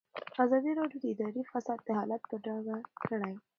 ازادي راډیو د اداري فساد حالت په ډاګه کړی.